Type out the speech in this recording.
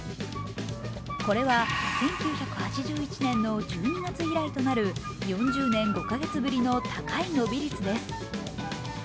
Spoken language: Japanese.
これは、１９８１年の１２月以来となる４０年５カ月ぶりの高い伸び率です。